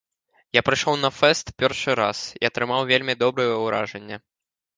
Я прыйшоў на фэст першы раз і атрымаў вельмі добрае ўражанне.